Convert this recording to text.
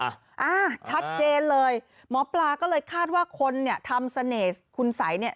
อ่าชัดเจนเลยหมอปลาก็เลยคาดว่าคนเนี่ยทำเสน่ห์คุณสัยเนี่ย